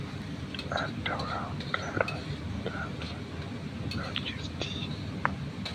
Antaŭ la hungaroj slavoj loĝis tie.